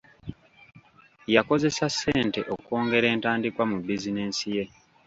Yakozesa ssente okwongera entandikwa mu bizinesi ye.